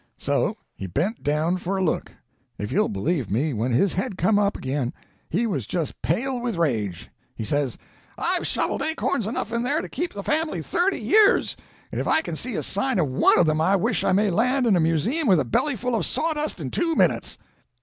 So he bent down for a look. If you'll believe me, when his head come up again he was just pale with rage. He says, 'I've shoveled acorns enough in there to keep the family thirty years, and if I can see a sign of one of 'em I wish I may land in a museum with a belly full of sawdust in two minutes!'